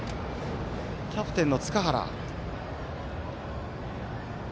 キャプテンの塚原。